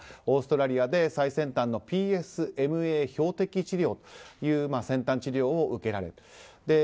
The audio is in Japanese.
オーストラリアで最先端のＰＳＭＡ標的治療という先端治療を受けられた。